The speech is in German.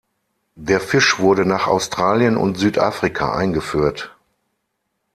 Der Fisch wurde nach Australien und Südafrika eingeführt.